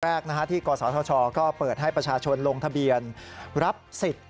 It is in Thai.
แรกที่กศธชก็เปิดให้ประชาชนลงทะเบียนรับสิทธิ์